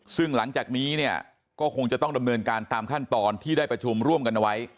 ซึ่งหลังจากนี้เนี่ยก็คงจะต้องดำเนินการตามขั้นตอนที่ได้ประชุมร่วมกันเอาไว้